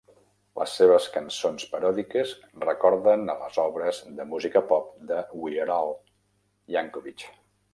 Les seves cançons paròdiques recorden a les obres de música pop de "Weird Al" Yankovic.